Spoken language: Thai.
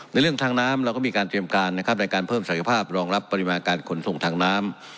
เรื่องทางน้ำเราก็มีการเตรียมการนะครับในการเพิ่มศักยภาพรองรับปริมาณการขนส่งทางน้ำ